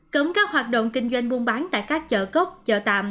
cấm các hoạt động kinh doanh buôn bán tại các chợ cốc chợ tạm